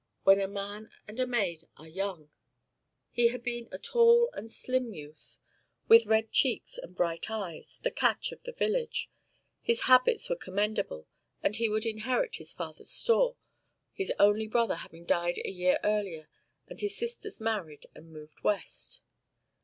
When a man and a maid are young! He had been a tall slim youth, with red cheeks and bright eyes, the "catch" of the village; his habits were commendable and he would inherit his father's store, his only brother having died a year earlier and his sisters married and moved West.